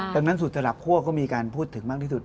ดังนั้นสุดตลับคั่วก็มีการพูดถึงมากที่สุด